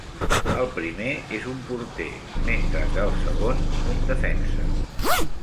El primer és un porter, mentre que el segon un defensa.